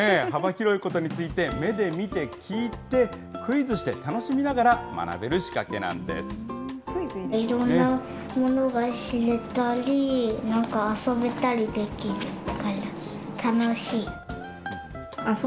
幅広いことについて目で見て聞いて、クイズして楽しみながらクイズいいですね。